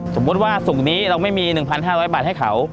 สมมุติว่าส่งนี้เราไม่มี๑๕๐๐บาทให้เขา